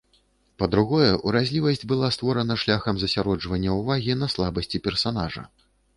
Па-другое, уразлівасць была створана шляхам засяроджвання ўвагі на слабасці персанажа.